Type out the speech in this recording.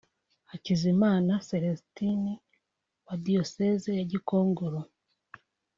Hakizimana Célestin (wa Diocèse ya Gikongoro)